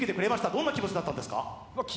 どんな気持ちだったんですか？